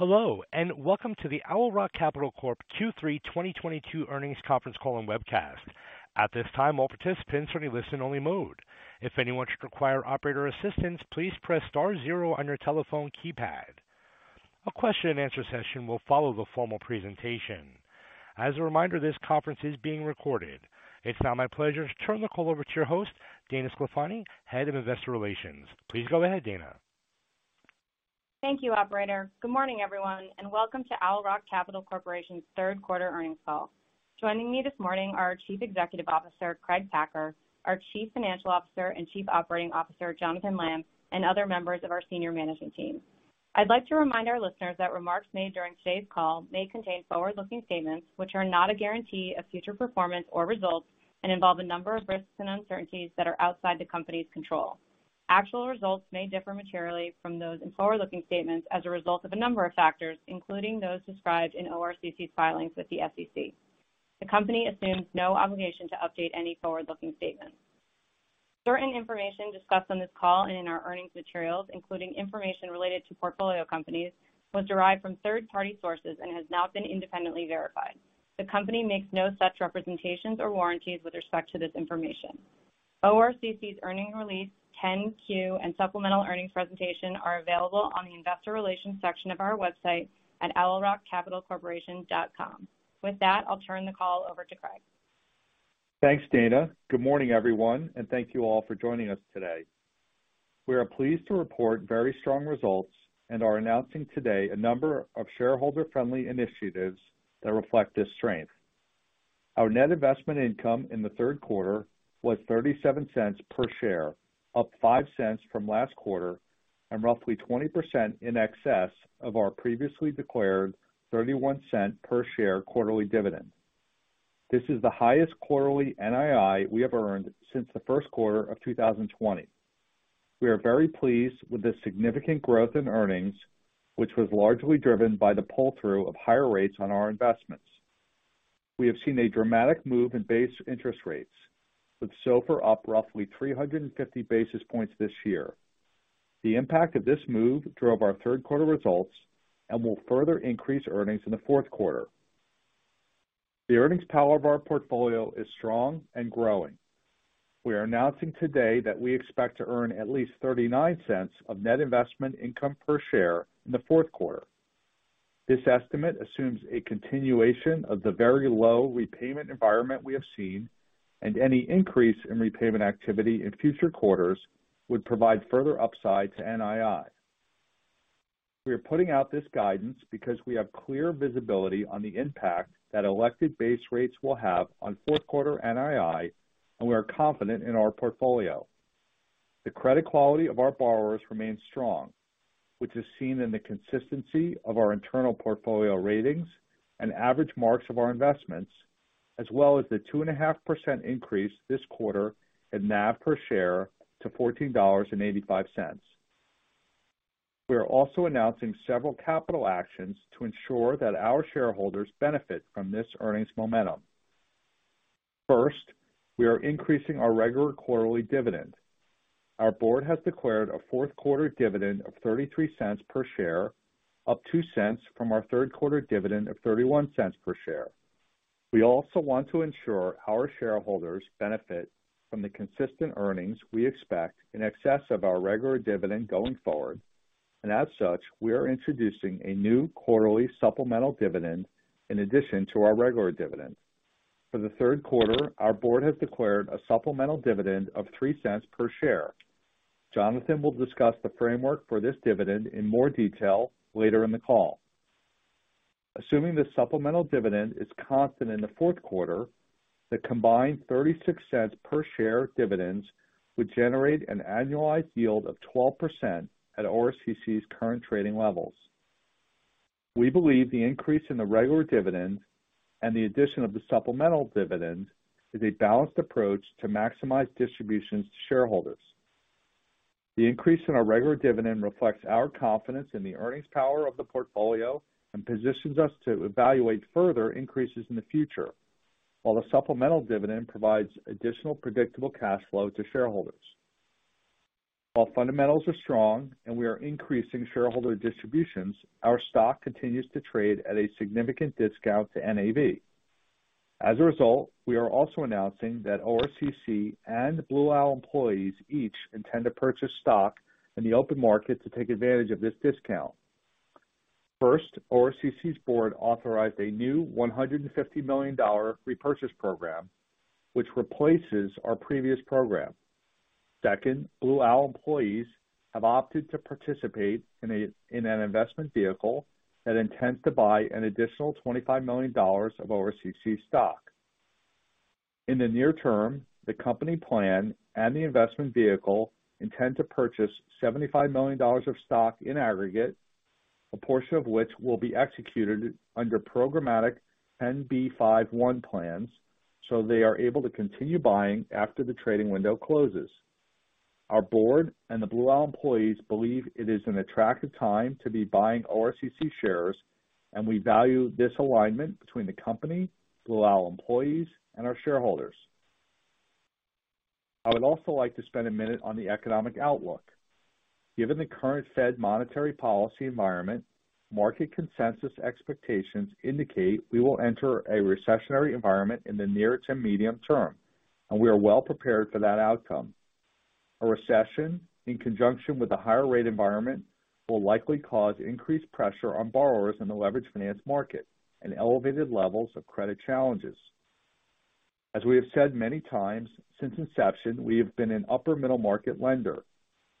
Hello, and welcome to the Owl Rock Capital Corp. Q3 2022 Earnings Conference Call and Webcast. At this time, all participants are in listen-only mode. If anyone should require operator assistance, please press star zero on your telephone keypad. A question and answer session will follow the formal presentation. As a reminder, this conference is being recorded. It's now my pleasure to turn the call over to your host, Dana Sclafani, Head of Investor Relations. Please go ahead, Dana. Thank you, operator. Good morning, everyone, and welcome to Owl Rock Capital Corporation's third quarter earnings call. Joining me this morning are our Chief Executive Officer, Craig Packer, our Chief Financial Officer and Chief Operating Officer, Jonathan Lamm, and other members of our senior management team. I'd like to remind our listeners that remarks made during today's call may contain forward-looking statements, which are not a guarantee of future performance or results and involve a number of risks and uncertainties that are outside the company's control. Actual results may differ materially from those in forward-looking statements as a result of a number of factors, including those described in ORCC's filings with the SEC. The company assumes no obligation to update any forward-looking statements. Certain information discussed on this call and in our earnings materials, including information related to portfolio companies, was derived from third-party sources and has not been independently verified. The company makes no such representations or warranties with respect to this information. ORCC's earnings release 10-Q and supplemental earnings presentation are available on the investor relations section of our website at owlrockcapitalcorporation.com. With that, I'll turn the call over to Craig. Thanks, Dana. Good morning, everyone, and thank you all for joining us today. We are pleased to report very strong results and are announcing today a number of shareholder-friendly initiatives that reflect this strength. Our Net Investment Income in the third quarter was $0.37 per share, up $0.05 from last quarter and roughly 20% in excess of our previously declared $0.31 per share quarterly dividend. This is the highest quarterly NII we have earned since the first quarter of 2020. We are very pleased with this significant growth in earnings, which was largely driven by the pull through of higher rates on our investments. We have seen a dramatic move in base interest rates, with SOFR up roughly 350 basis points this year. The impact of this move drove our third quarter results and will further increase earnings in the fourth quarter. The earnings power of our portfolio is strong and growing. We are announcing today that we expect to earn at least $0.39 of Net Investment Income per share in the fourth quarter. This estimate assumes a continuation of the very low repayment environment we have seen, and any increase in repayment activity in future quarters would provide further upside to NII. We are putting out this guidance because we have clear visibility on the impact that elected base rates will have on fourth quarter NII, and we are confident in our portfolio. The credit quality of our borrowers remains strong, which is seen in the consistency of our internal portfolio ratings and average marks of our investments, as well as the 2.5% increase this quarter in NAV per share to $14.85. We are also announcing several capital actions to ensure that our shareholders benefit from this earnings momentum. First, we are increasing our regular quarterly dividend. Our board has declared a fourth quarter dividend of $0.33 per share, up $0.02 from our third quarter dividend of $0.31 per share. We also want to ensure our shareholders benefit from the consistent earnings we expect in excess of our regular dividend going forward. As such, we are introducing a new quarterly supplemental dividend in addition to our regular dividend. For the third quarter, our board has declared a supplemental dividend of $0.03 per share. Jonathan will discuss the framework for this dividend in more detail later in the call. Assuming the supplemental dividend is constant in the fourth quarter, the combined $0.36 per share dividends would generate an annualized yield of 12% at ORCC's current trading levels. We believe the increase in the regular dividend and the addition of the supplemental dividend is a balanced approach to maximize distributions to shareholders. The increase in our regular dividend reflects our confidence in the earnings power of the portfolio and positions us to evaluate further increases in the future. While the supplemental dividend provides additional predictable cash flow to shareholders. While fundamentals are strong and we are increasing shareholder distributions, our stock continues to trade at a significant discount to NAV. As a result, we are also announcing that ORCC and Blue Owl employees each intend to purchase stock in the open market to take advantage of this discount. First, ORCC's board authorized a new $150 million repurchase program, which replaces our previous program. Second, Blue Owl employees have opted to participate in an investment vehicle that intends to buy an additional $25 million of ORCC stock. In the near term, the company plan and the investment vehicle intend to purchase $75 million of stock in aggregate, a portion of which will be executed under programmatic 10b5-1 plans so they are able to continue buying after the trading window closes. Our board and the Blue Owl employees believe it is an attractive time to be buying ORCC shares, and we value this alignment between the company, Blue Owl employees, and our shareholders. I would also like to spend a minute on the economic outlook. Given the current Fed monetary policy environment, market consensus expectations indicate we will enter a recessionary environment in the near to medium term, and we are well prepared for that outcome. A recession, in conjunction with a higher rate environment, will likely cause increased pressure on borrowers in the leveraged finance market and elevated levels of credit challenges. As we have said many times since inception, we have been an upper middle market lender.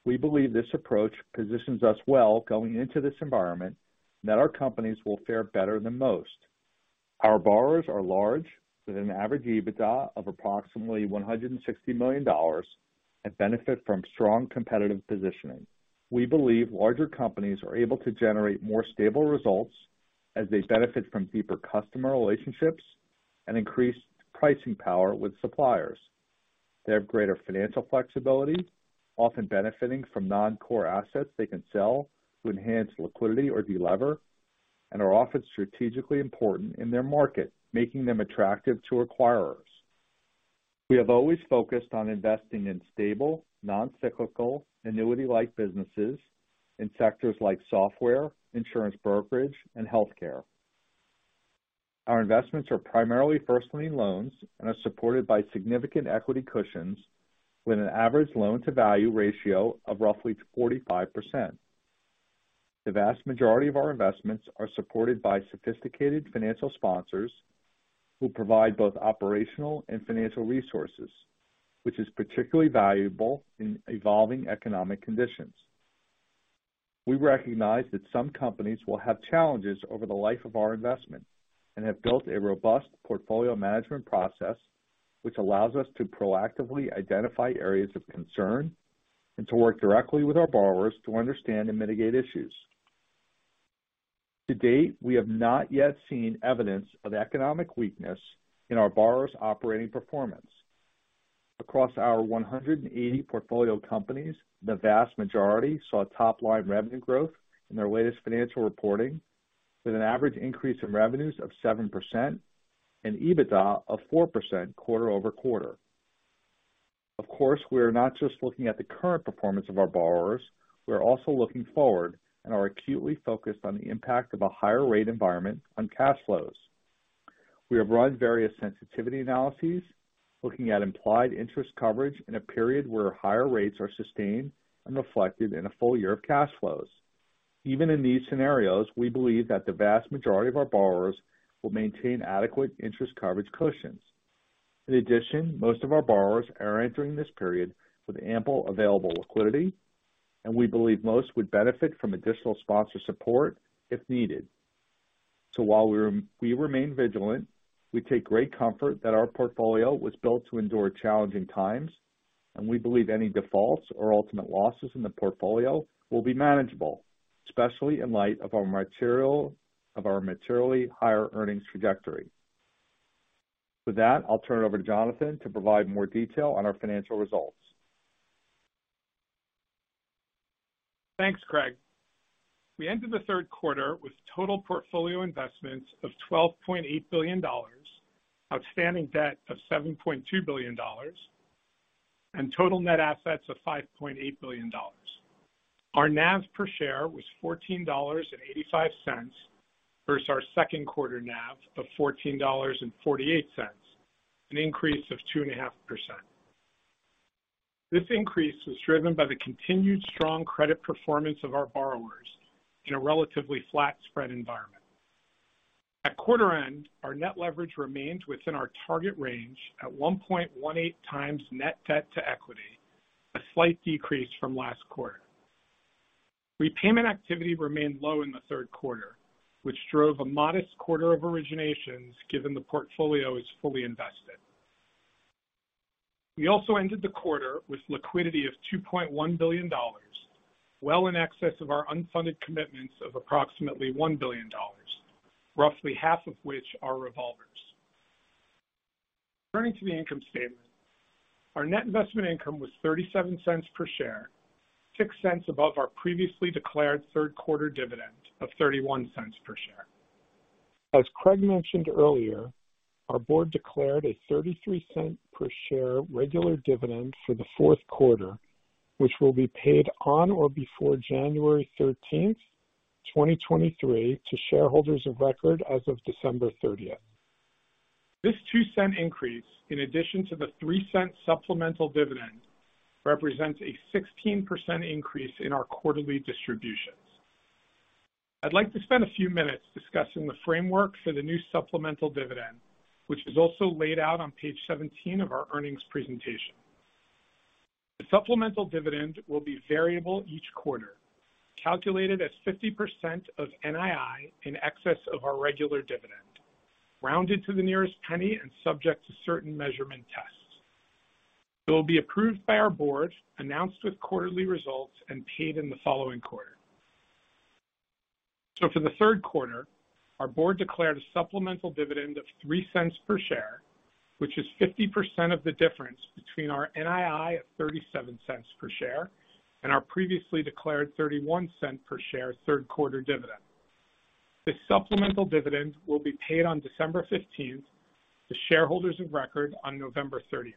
We believe this approach positions us well going into this environment, and that our companies will fare better than most. Our borrowers are large, with an average EBITDA of approximately $160 million and benefit from strong competitive positioning. We believe larger companies are able to generate more stable results as they benefit from deeper customer relationships and increased pricing power with suppliers. They have greater financial flexibility, often benefiting from non-core assets they can sell to enhance liquidity or delever, and are often strategically important in their market, making them attractive to acquirers. We have always focused on investing in stable, non-cyclical, annuity-like businesses in sectors like software, insurance brokerage, and healthcare. Our investments are primarily first lien loans and are supported by significant equity cushions with an average loan-to-value ratio of roughly 45%. The vast majority of our investments are supported by sophisticated financial sponsors who provide both operational and financial resources, which is particularly valuable in evolving economic conditions. We recognize that some companies will have challenges over the life of our investment and have built a robust portfolio management process which allows us to proactively identify areas of concern and to work directly with our borrowers to understand and mitigate issues. To date, we have not yet seen evidence of economic weakness in our borrowers' operating performance. Across our 180 portfolio companies, the vast majority saw top-line revenue growth in their latest financial reporting, with an average increase in revenues of 7% and EBITDA of 4% quarter-over-quarter. Of course, we are not just looking at the current performance of our borrowers. We are also looking forward and are acutely focused on the impact of a higher rate environment on cash flows. We have run various sensitivity analyses looking at implied interest coverage in a period where higher rates are sustained and reflected in a full year of cash flows. Even in these scenarios, we believe that the vast majority of our borrowers will maintain adequate interest coverage cushions. In addition, most of our borrowers are entering this period with ample available liquidity, and we believe most would benefit from additional sponsor support if needed. While we remain vigilant, we take great comfort that our portfolio was built to endure challenging times, and we believe any defaults or ultimate losses in the portfolio will be manageable, especially in light of our materially higher earnings trajectory. With that, I'll turn it over to Jonathan to provide more detail on our financial results. Thanks, Craig. We ended the third quarter with total portfolio investments of $12.8 billion, outstanding debt of $7.2 billion, and total net assets of $5.8 billion. Our NAV per share was $14.85 versus our second quarter NAV of $14.48, an increase of 2.5%. This increase was driven by the continued strong credit performance of our borrowers in a relatively flat spread environment. At quarter end, our net leverage remained within our target range at 1.18x net debt to equity, a slight decrease from last quarter. Repayment activity remained low in the third quarter, which drove a modest quarter of originations given the portfolio is fully invested. We ended the quarter with liquidity of $2.1 billion, well in excess of our unfunded commitments of approximately $1 billion, roughly half of which are revolvers. Turning to the income statement. Our Net Investment Income was $0.37 per share, $0.06 above our previously declared third quarter dividend of $0.31 per share. As Craig mentioned earlier, our board declared a $0.33 per share regular dividend for the fourth quarter, which will be paid on or before January 13th, 2023 to shareholders of record as of December 30th. This $0.02 increase, in addition to the $0.03 supplemental dividend, represents a 16% increase in our quarterly distributions. I'd like to spend a few minutes discussing the framework for the new supplemental dividend, which is also laid out on page 17 of our earnings presentation. The supplemental dividend will be variable each quarter, calculated as 50% of NII in excess of our regular dividend, rounded to the nearest penny and subject to certain measurement tests. It will be approved by our board, announced with quarterly results and paid in the following quarter. For the third quarter, our board declared a supplemental dividend of $0.03 per share, which is 50% of the difference between our NII at $0.37 per share and our previously declared $0.31 per share third quarter dividend. The supplemental dividend will be paid on December 15th to shareholders of record on November thirtieth.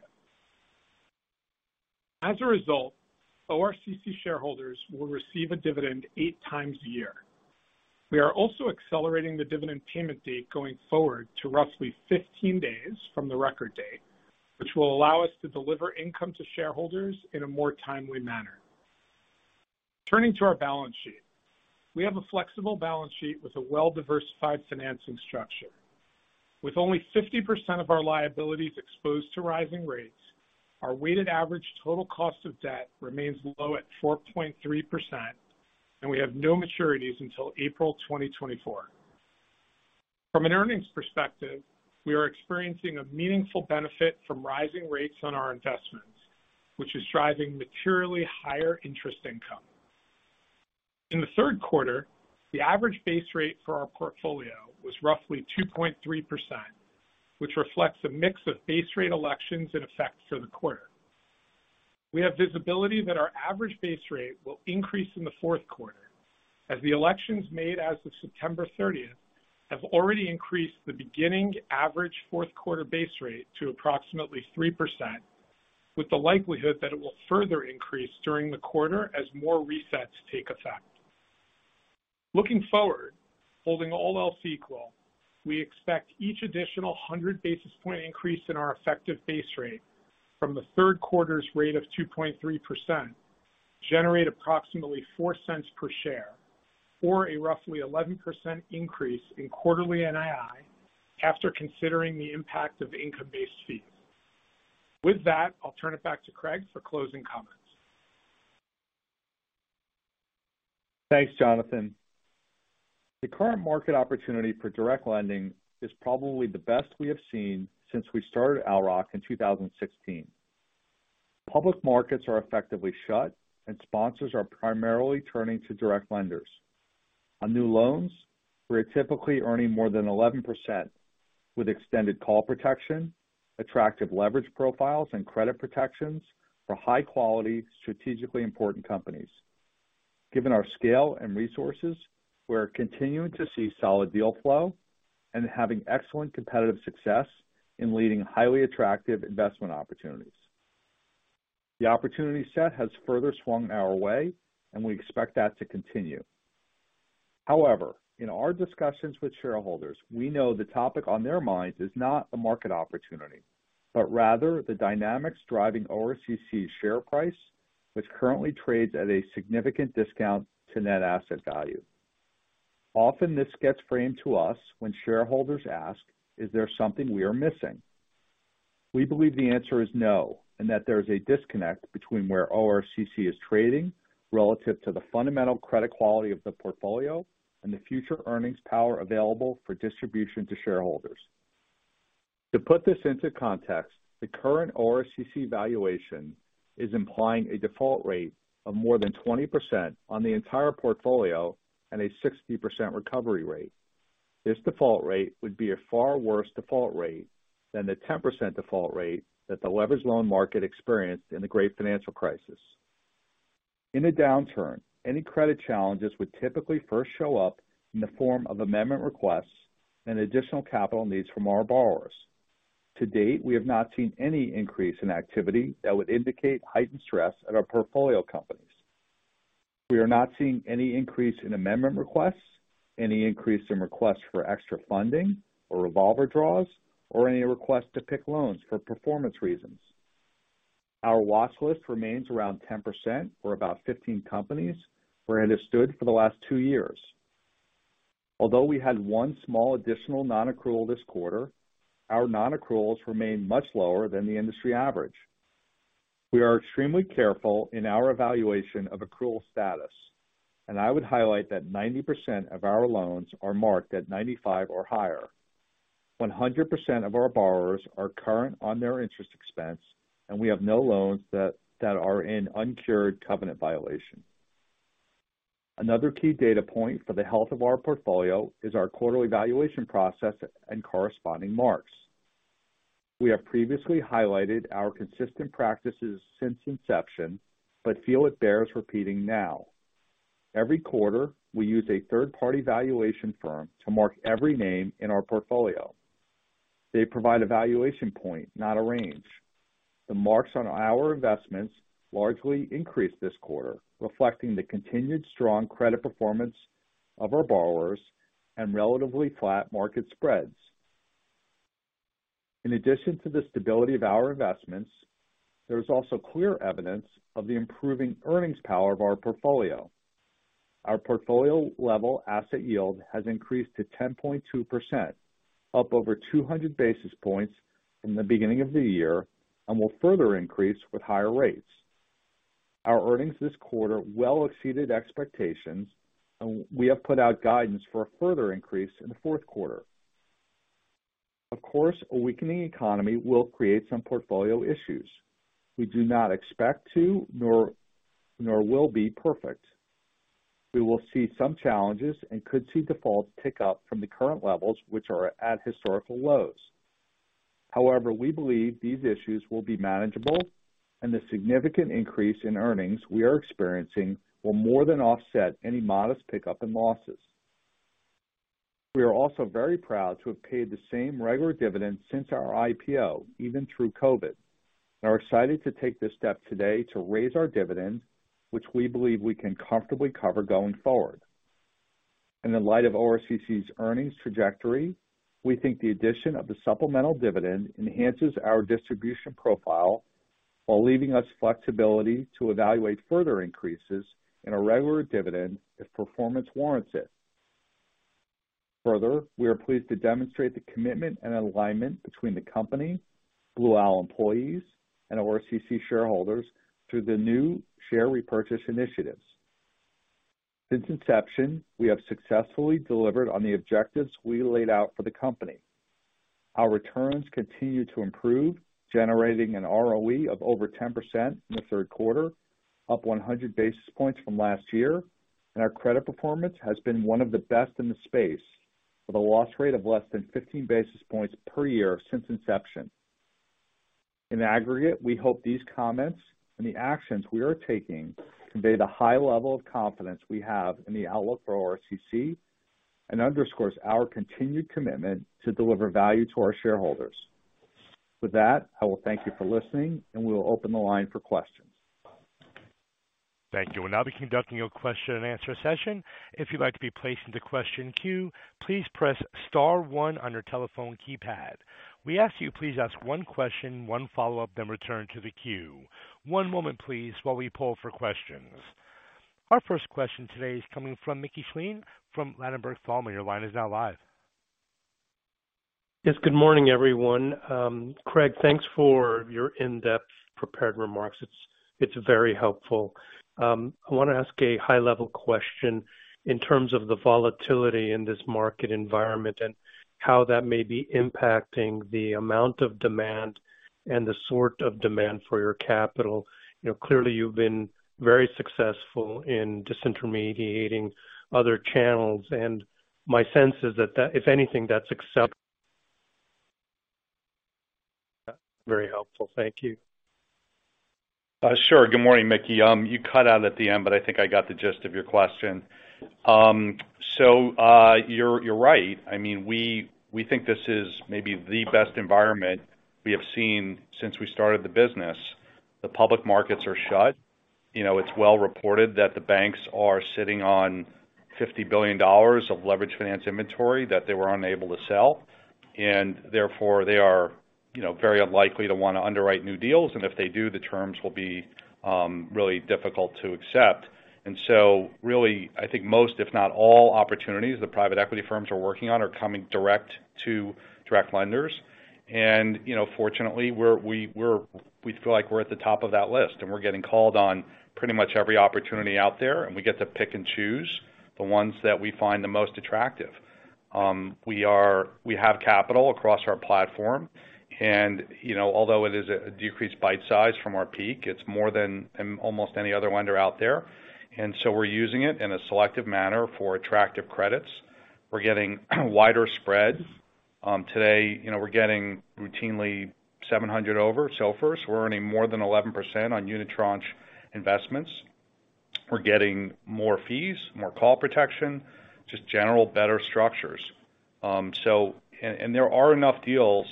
As a result, ORCC shareholders will receive a dividend eight times a year. We are also accelerating the dividend payment date going forward to roughly 15 days from the record date, which will allow us to deliver income to shareholders in a more timely manner. Turning to our balance sheet. We have a flexible balance sheet with a well-diversified financing structure. With only 50% of our liabilities exposed to rising rates, our weighted average total cost of debt remains low at 4.3%, and we have no maturities until April 2024. From an earnings perspective, we are experiencing a meaningful benefit from rising rates on our investments, which is driving materially higher interest income. In the third quarter, the average base rate for our portfolio was roughly 2.3%, which reflects a mix of base rate elections in effect for the quarter. We have visibility that our average base rate will increase in the fourth quarter as the elections made as of September thirtieth have already increased the beginning average fourth quarter base rate to approximately 3%, with the likelihood that it will further increase during the quarter as more resets take effect. Looking forward, holding all else equal, we expect each additional 100 basis point increase in our effective base rate from the third quarter's rate of 2.3% generate approximately $0.04 per share or a roughly 11% increase in quarterly NII after considering the impact of income-based fees. With that, I'll turn it back to Craig for closing comments. Thanks, Jonathan. The current market opportunity for direct lending is probably the best we have seen since we started Owl Rock in 2016. Public markets are effectively shut, and sponsors are primarily turning to direct lenders. On new loans, we're typically earning more than 11% with extended call protection, attractive leverage profiles and credit protections for high-quality, strategically important companies. Given our scale and resources, we're continuing to see solid deal flow and having excellent competitive success in leading highly attractive investment opportunities. The opportunity set has further swung our way, and we expect that to continue. However, in our discussions with shareholders, we know the topic on their minds is not the market opportunity, but rather the dynamics driving ORCC's share price, which currently trades at a significant discount to Net Asset Value. Often this gets framed to us when shareholders ask, "Is there something we are missing?" We believe the answer is no, and that there is a disconnect between where ORCC is trading relative to the fundamental credit quality of the portfolio and the future earnings power available for distribution to shareholders. To put this into context, the current ORCC valuation is implying a default rate of more than 20% on the entire portfolio and a 60% recovery rate. This default rate would be a far worse default rate than the 10% default rate that the leveraged loan market experienced in the Great Financial Crisis. In a downturn, any credit challenges would typically first show up in the form of amendment requests and additional capital needs from our borrowers. To date, we have not seen any increase in activity that would indicate heightened stress at our portfolio companies. We are not seeing any increase in amendment requests, any increase in requests for extra funding or revolver draws, or any requests to pick loans for performance reasons. Our watch list remains around 10% for about 15 companies, where it has stood for the last two years. Although we had 1 small additional non-accrual this quarter, our non-accruals remain much lower than the industry average. We are extremely careful in our evaluation of accrual status, and I would highlight that 90% of our loans are marked at 95% or higher. 100% of our borrowers are current on their interest expense, and we have no loans that are in uncured covenant violation. Another key data point for the health of our portfolio is our quarterly valuation process and corresponding marks. We have previously highlighted our consistent practices since inception but feel it bears repeating now. Every quarter, we use a third-party valuation firm to mark every name in our portfolio. They provide a valuation point, not a range. The marks on our investments largely increased this quarter, reflecting the continued strong credit performance of our borrowers and relatively flat market spreads. In addition to the stability of our investments, there is also clear evidence of the improving earnings power of our portfolio. Our portfolio level asset yield has increased to 10.2%, up over 200 basis points from the beginning of the year, and will further increase with higher rates. Our earnings this quarter well exceeded expectations, and we have put out guidance for a further increase in the fourth quarter. Of course, a weakening economy will create some portfolio issues. We do not expect to, nor will we be perfect. We will see some challenges and could see defaults pick up from the current levels, which are at historical lows. However, we believe these issues will be manageable and the significant increase in earnings we are experiencing will more than offset any modest pickup in losses. We are also very proud to have paid the same regular dividend since our IPO, even through COVID, and are excited to take this step today to raise our dividend, which we believe we can comfortably cover going forward. In light of ORCC's earnings trajectory, we think the addition of the supplemental dividend enhances our distribution profile while leaving us flexibility to evaluate further increases in a regular dividend if performance warrants it. Further, we are pleased to demonstrate the commitment and alignment between the company, Blue Owl employees, and ORCC shareholders through the new share repurchase initiatives. Since inception, we have successfully delivered on the objectives we laid out for the company. Our returns continue to improve, generating an ROE of over 10% in the third quarter, up 100 basis points from last year. Our credit performance has been one of the best in the space, with a loss rate of less than 15 basis points per year since inception. In aggregate, we hope these comments and the actions we are taking convey the high level of confidence we have in the outlook for ORCC and underscores our continued commitment to deliver value to our shareholders. With that, I will thank you for listening, and we will open the line for questions. Thank you. We'll now be conducting your question and answer session. If you'd like to be placed into question queue, please press star one on your telephone keypad. We ask you please ask one question, one follow-up, then return to the queue. One moment, please, while we poll for questions. Our first question today is coming from Mickey Schleien from Ladenburg Thalmann. Your line is now live. Yes, good morning, everyone. Craig, thanks for your in-depth prepared remarks. It's very helpful. I wanna ask a high-level question in terms of the volatility in this market environment and how that may be impacting the amount of demand and the sort of demand for your capital. You know, clearly you've been very successful in disintermediating other channels, and my sense is that if anything, that's accelerating. Very helpful. Thank you. Sure. Good morning, Mickey. You cut out at the end, but I think I got the gist of your question. So, you're right. I mean, we think this is maybe the best environment we have seen since we started the business. The public markets are shut. You know, it's well reported that the banks are sitting on $50 billion of leverage finance inventory that they were unable to sell, and therefore they are, you know, very unlikely to wanna underwrite new deals. If they do, the terms will be really difficult to accept. Really, I think most, if not all, opportunities the private equity firms are working on are coming directly to direct lenders. You know, fortunately, we feel like we're at the top of that list, and we're getting called on pretty much every opportunity out there, and we get to pick and choose the ones that we find the most attractive. We have capital across our platform, and you know, although it is a decreased bite size from our peak, it's more than almost any other lender out there. We're using it in a selective manner for attractive credits. We're getting wider spreads. Today, you know, we're getting routinely 700 over. First, we're earning more than 11% on unitranche investments. We're getting more fees, more call protection, just general better structures. There are enough deals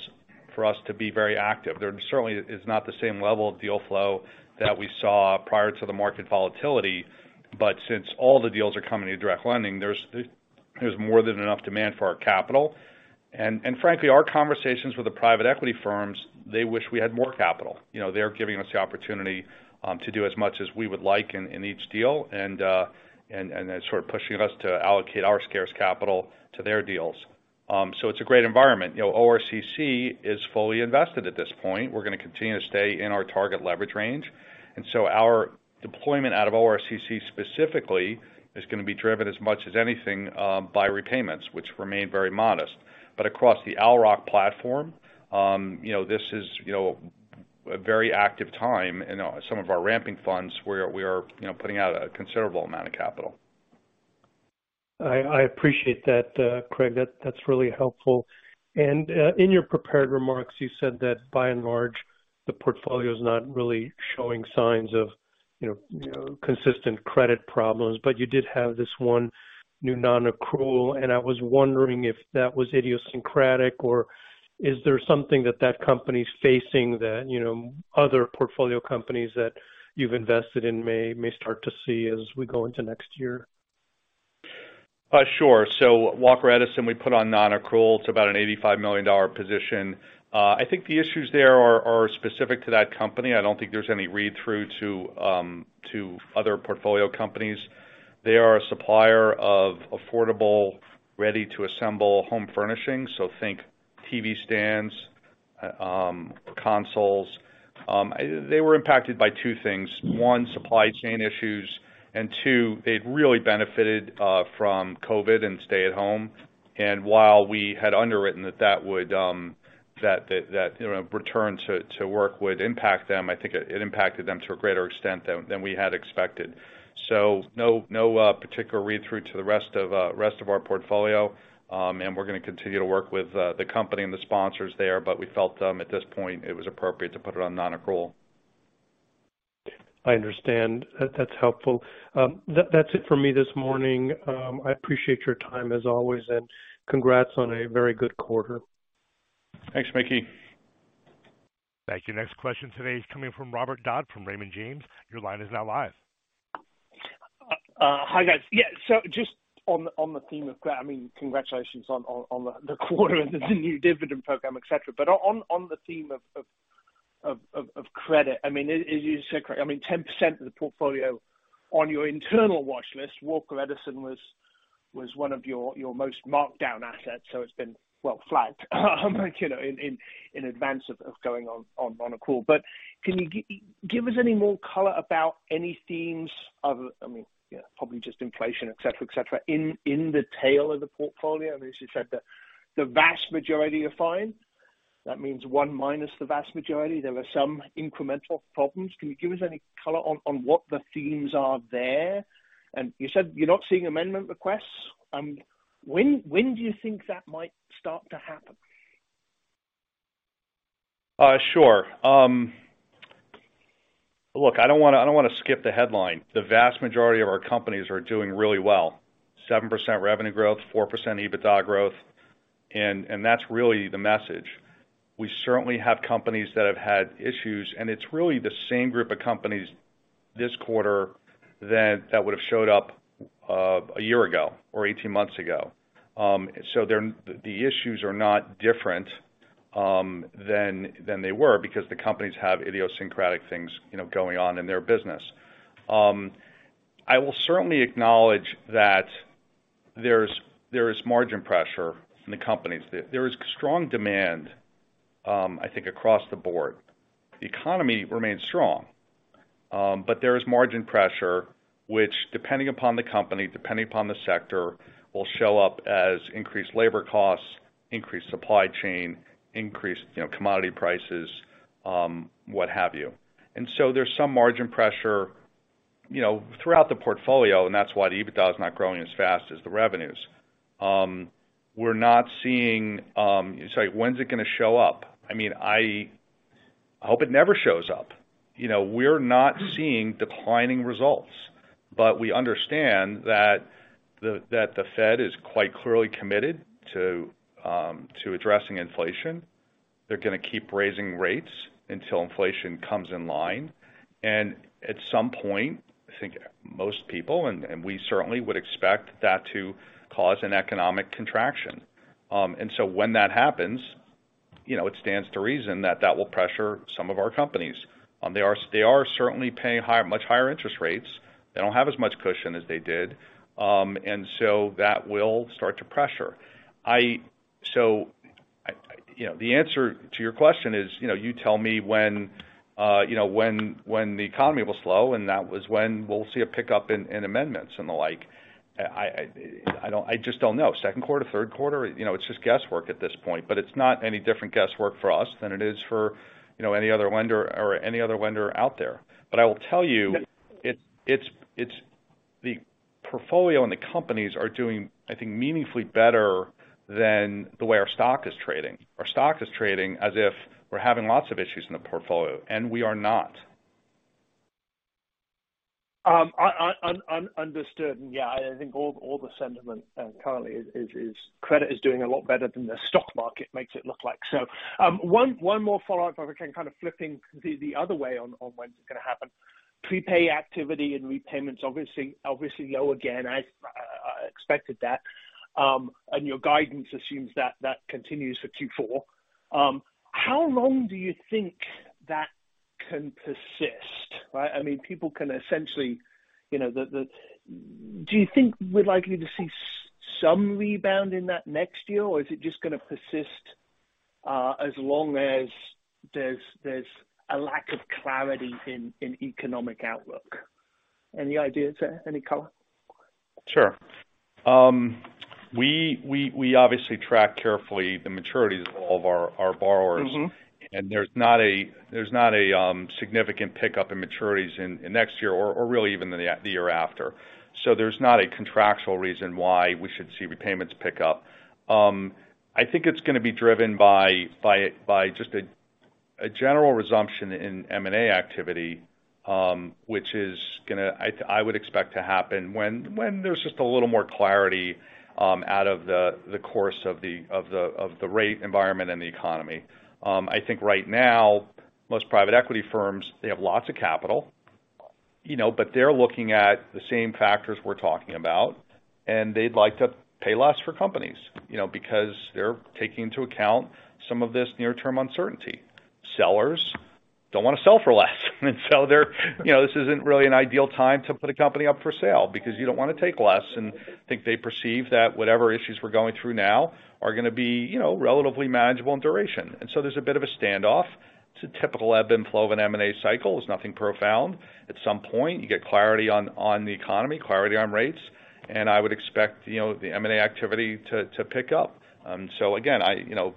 for us to be very active. There certainly is not the same level of deal flow that we saw prior to the market volatility. Since all the deals are coming to direct lending, there's more than enough demand for our capital. Frankly, our conversations with the private equity firms, they wish we had more capital. You know, they're giving us the opportunity to do as much as we would like in each deal and sort of pushing us to allocate our scarce capital to their deals. It's a great environment. You know, ORCC is fully invested at this point. We're gonna continue to stay in our target leverage range. Our deployment out of ORCC specifically is gonna be driven as much as anything by repayments, which remain very modest. Across the Owl Rock platform, you know, this is, you know, a very active time in some of our ramping funds where we are, you know, putting out a considerable amount of capital. I appreciate that, Craig. That's really helpful. In your prepared remarks, you said that by and large, the portfolio is not really showing signs of you know, consistent credit problems, but you did have this one new non-accrual, and I was wondering if that was idiosyncratic or is there something that company's facing that you know, other portfolio companies that you've invested in may start to see as we go into next year? Sure, Walker Edison we put on non-accrual. It's about an $85 million position. I think the issues there are specific to that company. I don't think there's any read-through to other portfolio companies. They are a supplier of affordable, ready-to-assemble home furnishings. Think TV stands, consoles. They were impacted by two things. One, supply chain issues, and two, they'd really benefited from COVID and stay at home. While we had underwritten that that would, that you know, return to work would impact them, I think it impacted them to a greater extent than we had expected. No particular read-through to the rest of our portfolio. We're gonna continue to work with the company and the sponsors there, but we felt, at this point, it was appropriate to put it on non-accrual. I understand. That's helpful. That's it for me this morning. I appreciate your time as always, and congrats on a very good quarter. Thanks, Mickey. Thank you. Next question today is coming from Robert Dodd from Raymond James. Your line is now live. Hi, guys. Yeah, just on the theme of that, I mean, congratulations on the quarter and the new dividend program, et cetera. On the theme of credit, I mean, is idiosyncratic. I mean, 10% of the portfolio on your internal watch list, Walker Edison was one of your most marked down assets. It's been well flagged, you know, in advance of going on a call. Can you give us any more color about any themes of, I mean, you know, probably just inflation, et cetera, et cetera, in the tail of the portfolio? I mean, as you said, the vast majority are fine. That means one minus the vast majority, there were some incremental problems. Can you give us any color on what the themes are there? You said you're not seeing amendment requests. When do you think that might start to happen? Sure. Look, I don't wanna skip the headline. The vast majority of our companies are doing really well. 7% revenue growth, 4% EBITDA growth. That's really the message. We certainly have companies that have had issues, and it's really the same group of companies this quarter that would have showed up a year ago or 18 months ago. They're the issues are not different than they were because the companies have idiosyncratic things, you know, going on in their business. I will certainly acknowledge that there's margin pressure in the companies. There is strong demand, I think, across the board. The economy remains strong. There is margin pressure which, depending upon the company, depending upon the sector, will show up as increased labor costs, increased supply chain, increased, you know, commodity prices, what have you. There's some margin pressure, you know, throughout the portfolio, and that's why the EBITDA is not growing as fast as the revenues. We're not seeing. Sorry. When's it gonna show up? I mean, I hope it never shows up. You know, we're not seeing declining results, but we understand that the Fed is quite clearly committed to addressing inflation. They're gonna keep raising rates until inflation comes in line. At some point, I think most people, and we certainly would expect that to cause an economic contraction. When that happens, you know, it stands to reason that that will pressure some of our companies. They are certainly paying much higher interest rates. They don't have as much cushion as they did. That will start to pressure. You know, the answer to your question is, you know, you tell me when, you know, when the economy will slow, and that was when we'll see a pickup in amendments and the like. I just don't know. Second quarter, third quarter? You know, it's just guesswork at this point. It's not any different guesswork for us than it is for, you know, any other lender out there. I will tell you, it's the portfolio and the companies are doing, I think, meaningfully better than the way our stock is trading. Our stock is trading as if we're having lots of issues in the portfolio, and we are not. Understood. Yeah, I think all the sentiment currently is credit is doing a lot better than the stock market makes it look like so. One more follow-up, if I can, kind of flipping the other way on when it's gonna happen. Prepay activity and repayments, obviously low again. I expected that. Your guidance assumes that continues for Q4. How long do you think that can persist, right? I mean, people can essentially, you know. Do you think we're likely to see some rebound in that next year, or is it just gonna persist as long as there's a lack of clarity in economic outlook? Any ideas there? Any color? Sure. We obviously track carefully the maturities of all of our borrowers. There's not a significant pickup in maturities in next year or really even the year after. There's not a contractual reason why we should see repayments pick up. I think it's gonna be driven by just a general resumption in M&A activity, which I would expect to happen when there's just a little more clarity out of the course of the rate environment and the economy. I think right now, most private equity firms, they have lots of capital, you know, but they're looking at the same factors we're talking about, and they'd like to pay less for companies, you know, because they're taking into account some of this near-term uncertainty. Sellers don't wanna sell for less. They're, you know, this isn't really an ideal time to put a company up for sale because you don't wanna take less. I think they perceive that whatever issues we're going through now are gonna be, you know, relatively manageable in duration. There's a bit of a standoff. It's a typical ebb and flow of an M&A cycle. It's nothing profound. At some point, you get clarity on the economy, clarity on rates, and I would expect, you know, the M&A activity to pick up. Again, you know,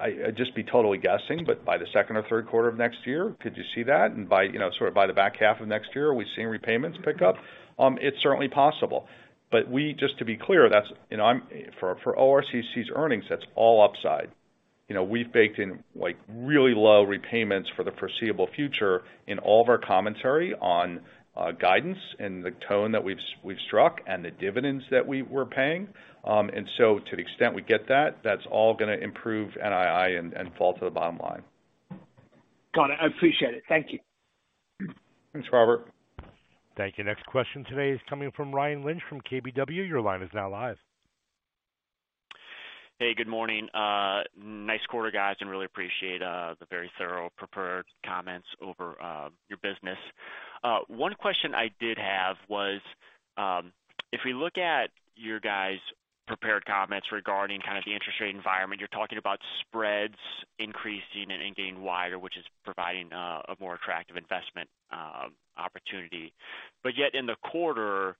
I'd just be totally guessing, but by the second or third quarter of next year, could you see that? By, you know, sort of by the back half of next year, are we seeing repayments pick up? It's certainly possible. Just to be clear, that's, you know, for ORCC's earnings, that's all upside. You know, we've baked in, like, really low repayments for the foreseeable future in all of our commentary on guidance and the tone that we've struck and the dividends that we were paying. To the extent we get that's all gonna improve NII and fall to the bottom line. Got it. I appreciate it. Thank you. Thanks, Robert. Thank you. Next question today is coming from Ryan Lynch from KBW. Your line is now live. Hey, good morning. Nice quarter, guys, and really appreciate the very thorough prepared comments over your business. One question I did have was, if we look at your guys' prepared comments regarding kind of the interest rate environment, you're talking about spreads increasing and getting wider, which is providing a more attractive investment opportunity. Yet in the quarter,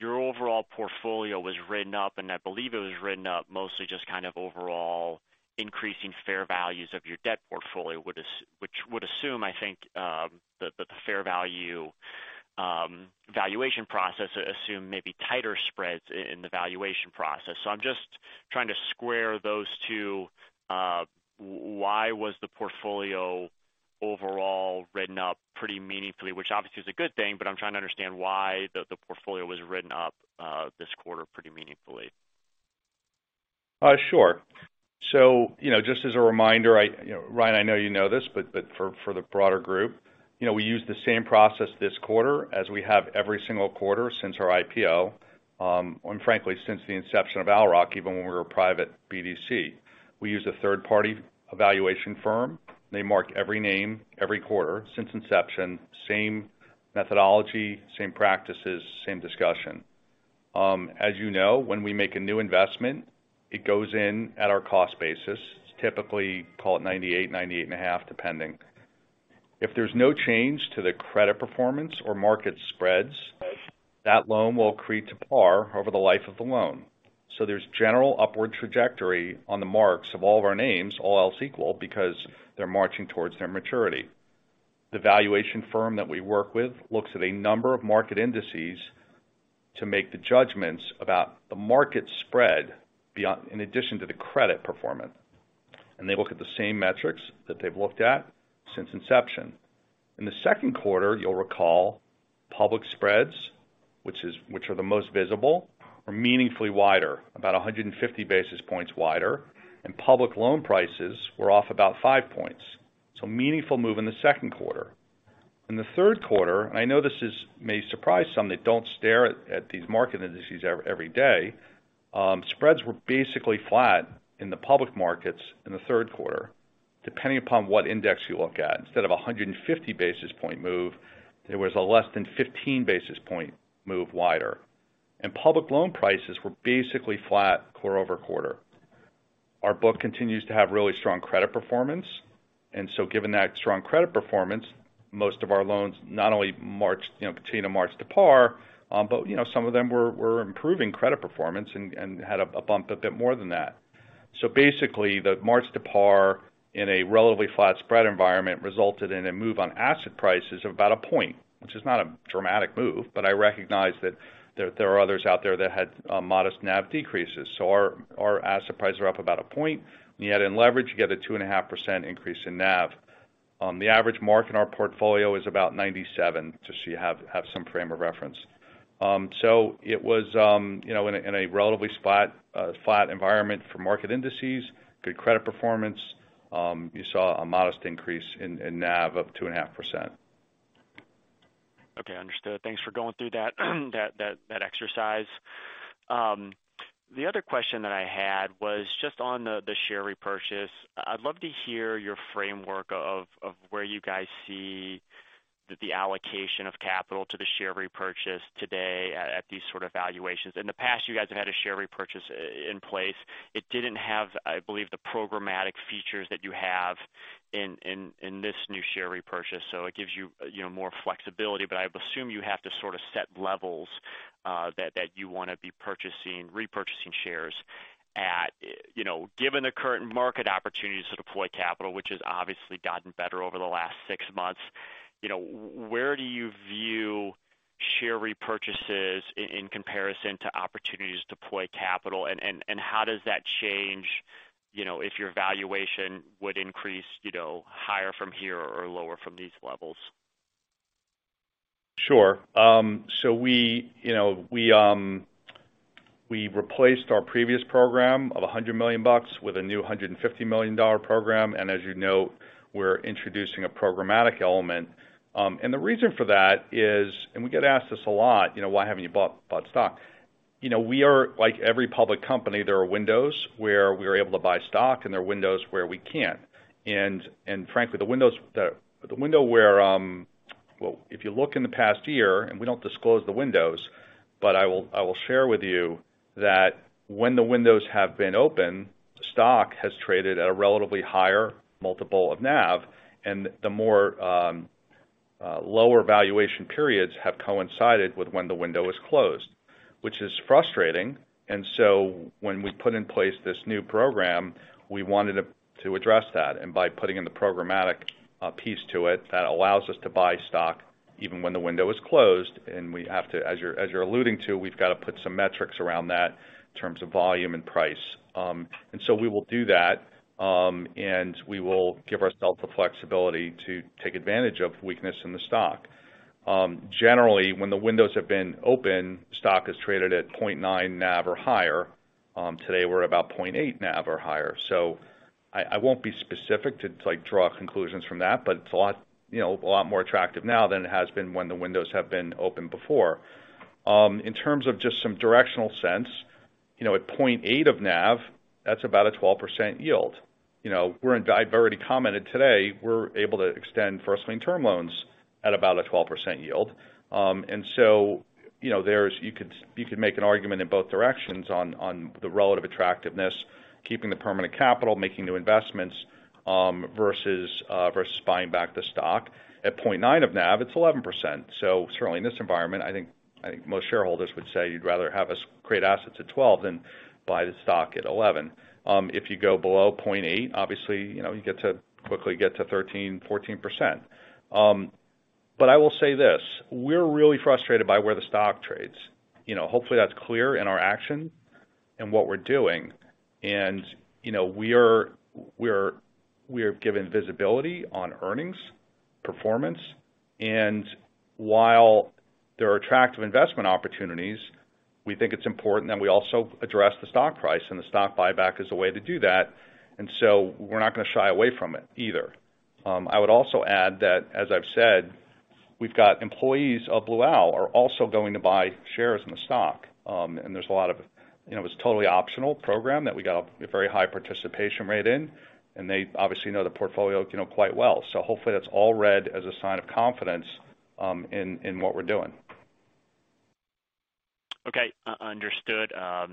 your overall portfolio was written up, and I believe it was written up mostly just kind of overall increasing fair values of your debt portfolio. Which would assume, I think, the fair value valuation process assume maybe tighter spreads in the valuation process. I'm just trying to square those two. Why was the portfolio overall written up pretty meaningfully? Which obviously is a good thing, but I'm trying to understand why the portfolio was written up this quarter pretty meaningfully. Sure. You know, just as a reminder, Ryan, I know you know this, but for the broader group. You know, we used the same process this quarter as we have every single quarter since our IPO. Frankly, since the inception of Owl Rock, even when we were a private BDC. We used a third-party evaluation firm. They mark every name every quarter since inception. Same methodology, same practices, same discussion. As you know, when we make a new investment, it goes in at our cost basis. It's typically, call it 98-98.5, depending. If there's no change to the credit performance or market spreads, that loan will accrete to par over the life of the loan. There's general upward trajectory on the marks of all of our names, all else equal, because they're marching towards their maturity. The valuation firm that we work with looks at a number of market indices to make the judgments about the market spread beyond, in addition to the credit performance. They look at the same metrics that they've looked at since inception. In the second quarter, you'll recall public spreads, which are the most visible, are meaningfully wider, about 150 basis points wider, and public loan prices were off about five points. Meaningful move in the second quarter. In the third quarter, I know this may surprise some that don't stare at these market indices every day, spreads were basically flat in the public markets in the third quarter, depending upon what index you look at. Instead of a 150 basis point move, there was a less than 15 basis point move wider. Public loan prices were basically flat quarter-over-quarter. Our book continues to have really strong credit performance. Given that strong credit performance, most of our loans not only continue to mark to par, you know, but some of them were improving credit performance and had a bump a bit more than that. Basically, the mark to par in a relatively flat spread environment resulted in a move on asset prices of about a point, which is not a dramatic move, but I recognize that there are others out there that had modest NAV decreases. Our asset prices are up about a point. When you add in leverage, you get a 2.5% increase in NAV. The average mark in our portfolio is about 97, just so you have some frame of reference. It was, you know, in a relatively flat environment for market indices, good credit performance. You saw a modest increase in NAV of 2.5%. Okay, understood. Thanks for going through that exercise. The other question that I had was just on the share repurchase. I'd love to hear your framework of where you guys see the allocation of capital to the share repurchase today at these sort of valuations. In the past, you guys have had a share repurchase in place. It didn't have, I believe, the programmatic features that you have in this new share repurchase. So it gives you know, more flexibility. But I assume you have to sort of set levels that you wanna be purchasing, repurchasing shares at. You know, given the current market opportunities to deploy capital, which has obviously gotten better over the last six months, you know, where do you view share repurchases in comparison to opportunities to deploy capital? How does that change, you know, if your valuation would increase, you know, higher from here or lower from these levels? Sure. So we, you know, replaced our previous program of $100 million with a new $150 million program. As you know, we're introducing a programmatic element. The reason for that is, we get asked this a lot, you know, "Why haven't you bought stock?" You know, we are like every public company. There are windows where we are able to buy stock, and there are windows where we can't. Frankly, the windows, the window where... Well, if you look in the past year, and we don't disclose the windows, but I will share with you that when the windows have been open, the stock has traded at a relatively higher multiple of NAV, and the more lower valuation periods have coincided with when the window is closed, which is frustrating. When we put in place this new program, we wanted to address that. By putting in the programmatic piece to it, that allows us to buy stock even when the window is closed, and, as you're alluding to, we've got to put some metrics around that in terms of volume and price. We will do that, and we will give ourselves the flexibility to take advantage of weakness in the stock. Generally, when the windows have been open, stock is traded at 0.9 NAV or higher. Today, we're about 0.8 NAV or higher. I won't be specific to, like, draw conclusions from that, but it's a lot, you know, a lot more attractive now than it has been when the windows have been open before. In terms of just some directional sense, you know, at 0.8 of NAV, that's about a 12% yield. You know, I've already commented today, we're able to extend first lien term loans at about a 12% yield. You know there's you could make an argument in both directions on the relative attractiveness, keeping the permanent capital, making new investments, versus buying back the stock. At 0.9 of NAV, it's 11%. Certainly in this environment, I think most shareholders would say you'd rather have us create assets at 12% than buy the stock at $11. If you go below 0.8, obviously, you know, you quickly get to 13%-14%. But I will say this, we're really frustrated by where the stock trades. You know, hopefully, that's clear in our action and what we're doing. You know, we are given visibility on earnings, performance, and while there are attractive investment opportunities, we think it's important that we also address the stock price, and the stock buyback is a way to do that. We're not gonna shy away from it either. I would also add that, as I've said, we've got employees of Blue Owl are also going to buy shares in the stock. There's a lot of, you know, it was a totally optional program that we got a very high participation rate in, and they obviously know the portfolio, you know, quite well. Hopefully that's all read as a sign of confidence in what we're doing. Okay. Understood. I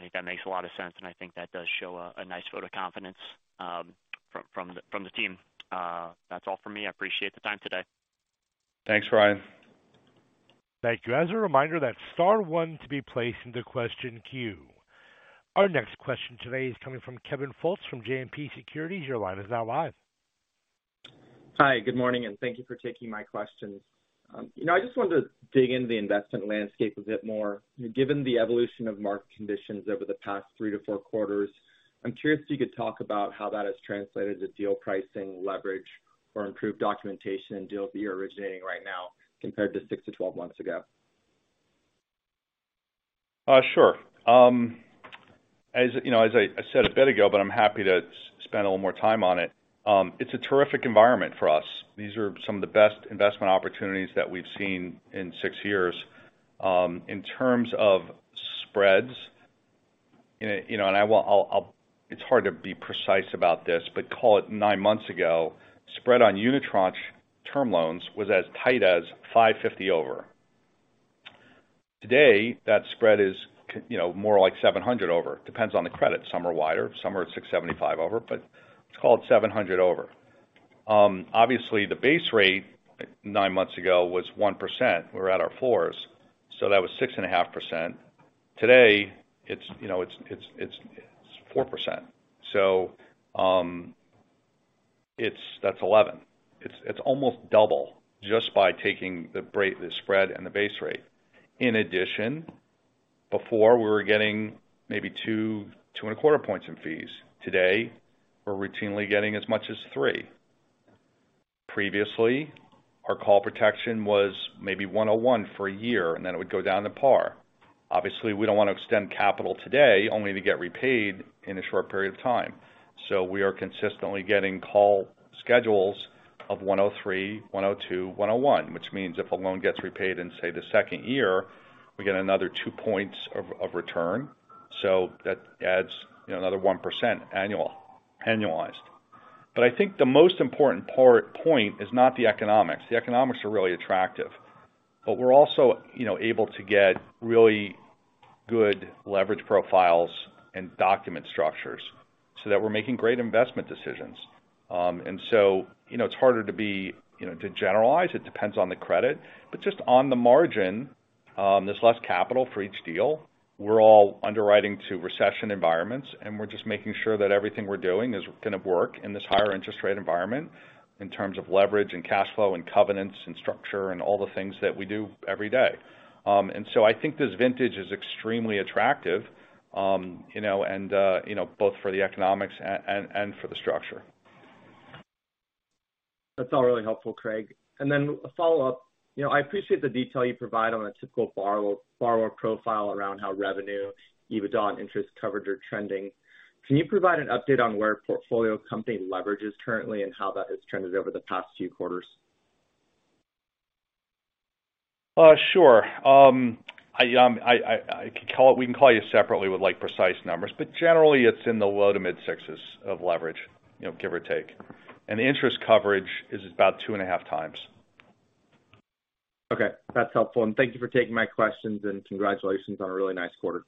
think that makes a lot of sense, and I think that does show a nice vote of confidence from the team. That's all for me. I appreciate the time today. Thanks, Ryan. Thank you. As a reminder, that's star one to be placed into question queue. Our next question today is coming from Kevin Fultz from JMP Securities. Your line is now live. Hi, good morning, and thank you for taking my questions. You know, I just wanted to dig into the investment landscape a bit more. Given the evolution of market conditions over the past three to four quarters, I'm curious if you could talk about how that has translated to deal pricing, leverage, or improved documentation in deals that you're originating right now compared to 6-12 months ago. Sure. As you know, as I said a bit ago, I'm happy to spend a little more time on it. It's a terrific environment for us. These are some of the best investment opportunities that we've seen in six years. In terms of spreads, you know. It's hard to be precise about this, but call it nine months ago, spread on unitranche term loans was as tight as 550 over. Today, that spread is, you know, more like 700 over. Depends on the credit. Some are wider, some are at 675 over, but let's call it 700 over. Obviously, the base rate nine months ago was 1%. We were at our floors, so that was 6.5%. Today, it's, you know, 4%. That's 11. It's almost double just by taking the spread and the base rate. In addition, before, we were getting maybe 2.25 points in fees. Today, we're routinely getting as much as 3. Previously, our call protection was maybe 101 for a year, and then it would go down to par. Obviously, we don't wanna extend capital today only to get repaid in a short period of time. We are consistently getting call schedules of 103, 102, 101, which means if a loan gets repaid in, say, the second year, we get another two points of return. That adds, you know, another 1% annualized. I think the most important point is not the economics. The economics are really attractive. We're also, you know, able to get really good leverage profiles and document structures so that we're making great investment decisions. You know, it's harder to be, you know, to generalize. It depends on the credit. Just on the margin, there's less capital for each deal. We're all underwriting to recession environments, and we're just making sure that everything we're doing is gonna work in this higher interest rate environment in terms of leverage and cash flow and covenants and structure and all the things that we do every day. I think this vintage is extremely attractive, you know, and you know, both for the economics and for the structure. That's all really helpful, Craig. a follow-up. You know, I appreciate the detail you provide on a typical borrower profile around how revenue, EBITDA, and interest coverage are trending. Can you provide an update on where portfolio company leverage is currently and how that has trended over the past few quarters? We can call you separately with, like, precise numbers, but generally it's in the low- to mid-6x leverage, you know, give or take. The interest coverage is about 2.5 times. Okay, that's helpful. Thank you for taking my questions, and congratulations on a really nice quarter.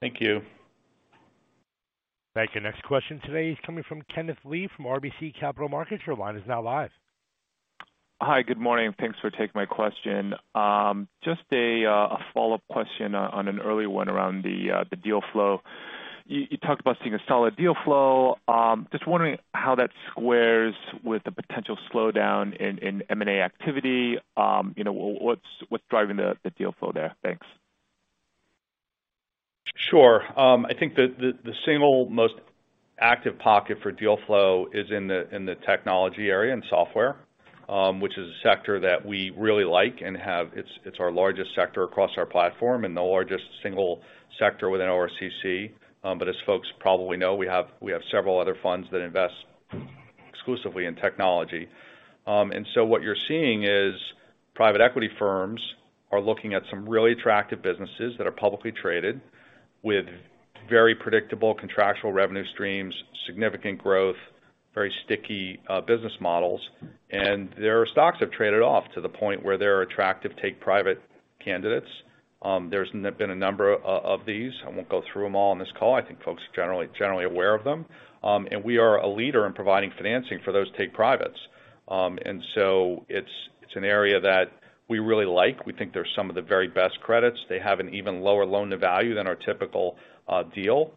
Thank you. Thank you. Next question today is coming from Kenneth Lee from RBC Capital Markets. Your line is now live. Hi, good morning, and thanks for taking my question. Just a follow-up question on an earlier one around the deal flow. You talked about seeing a solid deal flow. Just wondering how that squares with the potential slowdown in M&A activity. You know, what's driving the deal flow there? Thanks. Sure. I think the single most active pocket for deal flow is in the technology area, in software, which is a sector that we really like and have. It's our largest sector across our platform and the largest single sector within ORCC. As folks probably know, we have several other funds that invest exclusively in technology. What you're seeing is private equity firms are looking at some really attractive businesses that are publicly traded with very predictable contractual revenue streams, significant growth, very sticky business models. Their stocks have traded off to the point where they're attractive take private candidates. There's been a number of these. I won't go through them all on this call. I think folks are generally aware of them. We are a leader in providing financing for those take privates. It's an area that we really like. We think they're some of the very best credits. They have an even lower loan-to-value than our typical deal.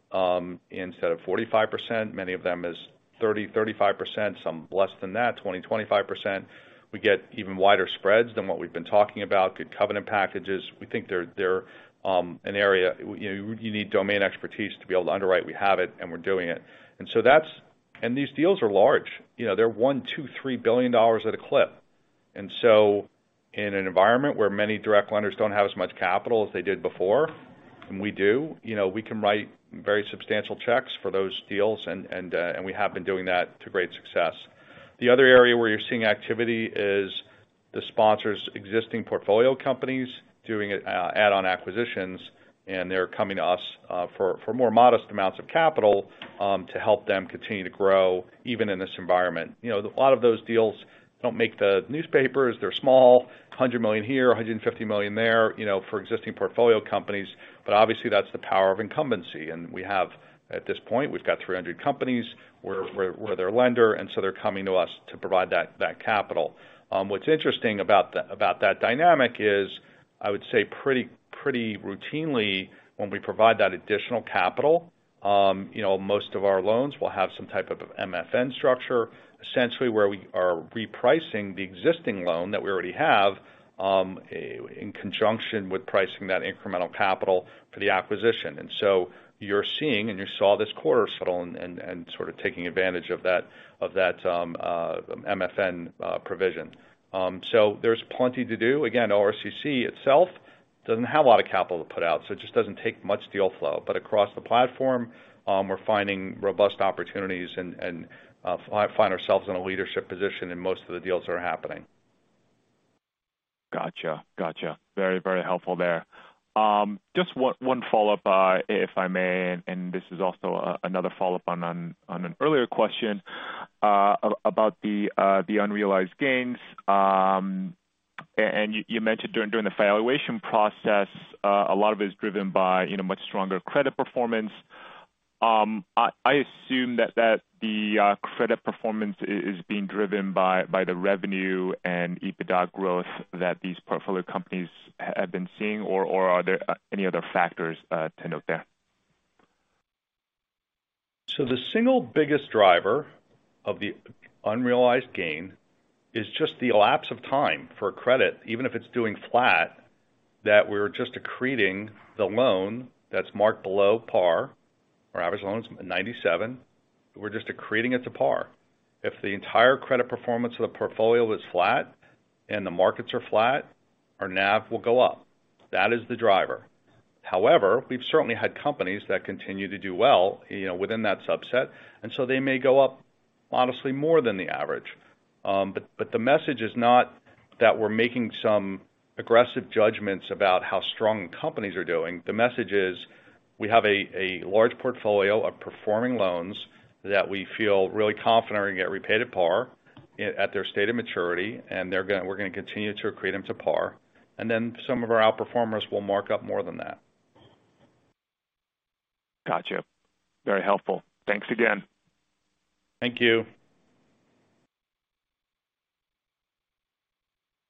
Instead of 45%, many of them is 30%, 35%, some less than that, 20%, 25%. We get even wider spreads than what we've been talking about. Good covenant packages. We think they're an area, you know. You need domain expertise to be able to underwrite. We have it, and we're doing it. That's. These deals are large. You know, they're $1 billion, $2 billion, $3 billion at a clip. In an environment where many direct lenders don't have as much capital as they did before, and we do, you know, we can write very substantial checks for those deals. We have been doing that to great success. The other area where you're seeing activity is the sponsors existing portfolio companies doing add-on acquisitions, and they're coming to us for more modest amounts of capital to help them continue to grow, even in this environment. You know, a lot of those deals don't make the newspapers. They're small, $100 million here, $150 million there, you know, for existing portfolio companies. Obviously, that's the power of incumbency. We have, at this point, we've got 300 companies. We're their lender, and so they're coming to us to provide that capital. What's interesting about that dynamic is, I would say pretty routinely, when we provide that additional capital, you know, most of our loans will have some type of MFN structure, essentially where we are repricing the existing loan that we already have, in conjunction with pricing that incremental capital for the acquisition. You're seeing, and you saw this quarter settle and sort of taking advantage of that MFN provision. So there's plenty to do. Again, ORCC itself doesn't have a lot of capital to put out, so it just doesn't take much deal flow. Across the platform, we're finding robust opportunities and find ourselves in a leadership position in most of the deals that are happening. Gotcha. Very, very helpful there. Just one follow-up, if I may, and this is also another follow-up on an earlier question about the unrealized gains. You mentioned during the valuation process a lot of it is driven by, you know, much stronger credit performance. I assume that the credit performance is being driven by the revenue and EBITDA growth that these portfolio companies have been seeing. Or are there any other factors to note there? The single biggest driver of the unrealized gain is just the elapse of time for credit, even if it's doing flat, that we're just accreting the loan that's marked below par. Our average loan is 97%. We're just accreting it to par. If the entire credit performance of the portfolio is flat and the markets are flat, our NAV will go up. That is the driver. However, we've certainly had companies that continue to do well, you know, within that subset, and so they may go up honestly more than the average. But the message is not that we're making some aggressive judgments about how strong the companies are doing. The message is we have a large portfolio of performing loans that we feel really confident are gonna get repaid at par at their stated maturity, and we're gonna continue to accrete them to par. Then some of our outperformers will mark up more than that. Gotcha. Very helpful. Thanks again. Thank you.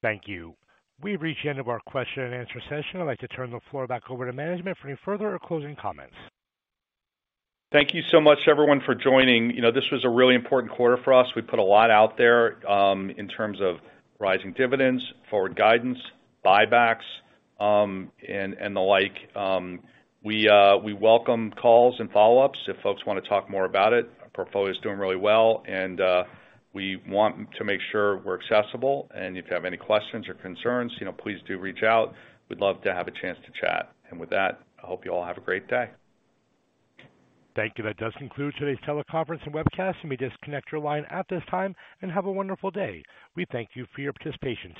Thank you. We've reached the end of our question and answer session. I'd like to turn the floor back over to management for any further or closing comments. Thank you so much, everyone, for joining. You know, this was a really important quarter for us. We put a lot out there in terms of rising dividends, forward guidance, buybacks, and the like. We welcome calls and follow-ups if folks wanna talk more about it. Our portfolio is doing really well and we want to make sure we're accessible. If you have any questions or concerns, you know, please do reach out. We'd love to have a chance to chat. With that, I hope you all have a great day. Thank you. That does conclude today's teleconference and webcast. You may disconnect your line at this time and have a wonderful day. We thank you for your participation.